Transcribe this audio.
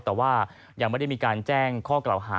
มีว่ายังไม่ได้มีการแจ้งข้อแก่ละหา